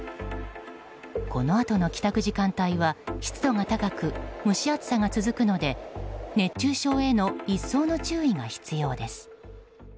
このあとの帰宅時間帯は湿度が高く蒸し暑さが続くので熱中症への一層の注意が必要です。